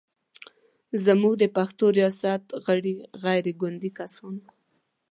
زموږ د پښتو ریاست غړي غیر ګوندي کسان و.